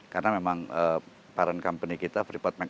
karena memang parent company kita freeport mcmoran